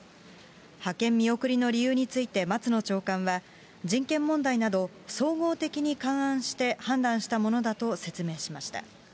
派遣見送りの理由について、松野長官は、人権問題など、総合的に勘案して判断したものだと説明しました。